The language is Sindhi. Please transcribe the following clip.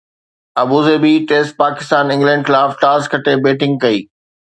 ابوظهبي ٽيسٽ: پاڪستان انگلينڊ خلاف ٽاس کٽي بيٽنگ ڪئي